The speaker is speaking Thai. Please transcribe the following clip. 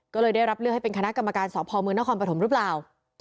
ก็เลยได้รับเลือกให้เป็นคณะกรรมการสพมนครปฐมหรือเปล่า